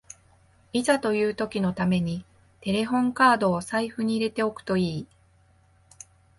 いざという時のためにテレホンカードを財布に入れておくといい